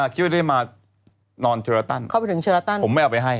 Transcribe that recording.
คิดไม่ได้มานอนเชิระตั้นเข้าไปถึงเชิระตั้นผมไม่เอาไปให้